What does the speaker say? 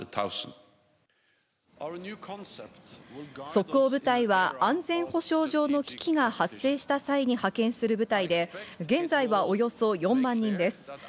即応部隊は安全保障上の危機が発生した際に派遣する部隊で現在はおよそ４万人です。